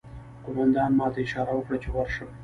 قومندان ماته اشاره وکړه چې ورشم